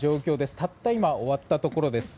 たった今、終わったところです。